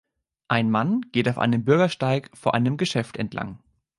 Ein Mann geht auf einem Bürgersteig vor einem Geschäft entlang.